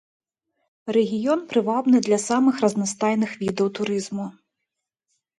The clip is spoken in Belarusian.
Рэгіён прывабны для самых разнастайных відаў турызму.